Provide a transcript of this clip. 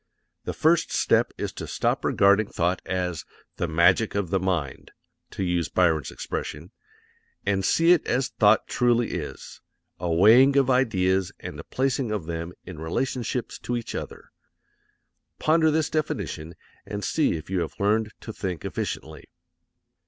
The first step is to stop regarding thought as "the magic of the mind," to use Byron's expression, and see it as thought truly is a weighing of ideas and a placing of them in relationships to each other. Ponder this definition and see if you have learned to think efficiently.